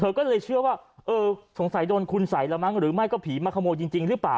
ก็เลยเชื่อว่าเออสงสัยโดนคุณสัยแล้วมั้งหรือไม่ก็ผีมาขโมยจริงหรือเปล่า